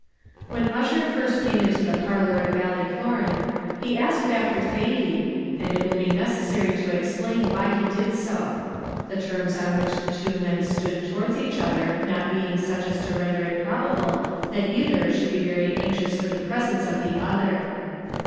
When Ussher first came into the parlour at Ballycloran, he asked after Thady, and it will be necessary to explain why he did so; the terms on which the two men stood towards each other not being such as to render it probable that either should be very anxious for the presence of the other.